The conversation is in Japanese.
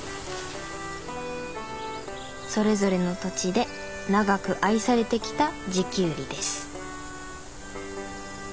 それぞれの土地で長く愛されてきた地キュウリです。